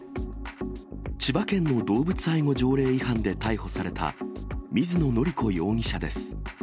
千葉県の動物愛護条例違反で逮捕された水野則子容疑者です。